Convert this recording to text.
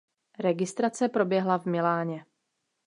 Registrace proběhla v Miláně.